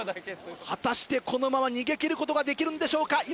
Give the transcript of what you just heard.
果たしてこのまま逃げ切ることができるんでしょうか？